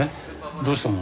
どうしたの？